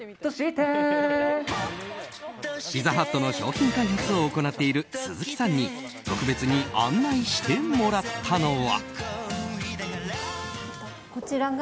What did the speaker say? ピザハットの商品開発を行っている鈴木さんに特別に案内してもらったのは。